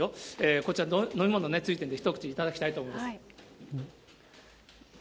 こちら、飲み物ついてるんで、一口頂きたいと思います。